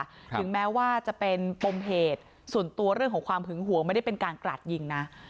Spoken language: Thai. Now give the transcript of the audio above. ถึงแม้ว่าจะเป็นปมเหตุส่วนตัวเรื่องของความหึงหวงไม่ได้เป็นการกราดยิงนะ